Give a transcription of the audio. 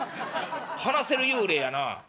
話せる幽霊やな」。